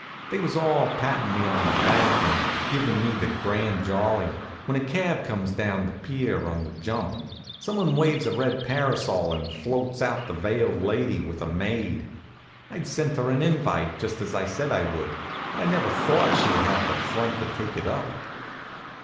They was all pattin' me on the back, and givin' me the grand jolly, when a cab comes down the pier on the jump, someone waves a red parasol, and out floats the veiled lady, with a maid. I'd sent her an invite, just as I said I would, but I never thought she'd have the front to take it up.